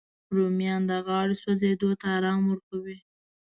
رومیان د غاړې سوځېدو ته ارام ورکوي